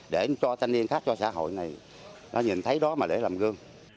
để cho thanh niên khác cho xã hội này nó nhìn thấy đó mà để làm gương